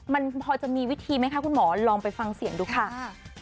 มันพอจะมีวิธีไหมคะคุณหมอลองไปฟังเสียงดูค่ะ